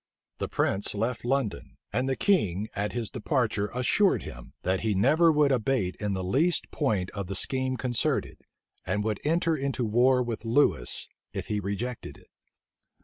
The prince left London; and the king, at his departure, assured him, that he never would abate in the least point of the scheme concerted, and would enter into war with Lewis if he rejected it.